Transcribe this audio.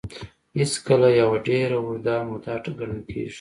هېڅکله يوه ډېره اوږده موده ګڼل کېږي.